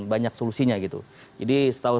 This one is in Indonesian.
banyak solusinya gitu jadi setahu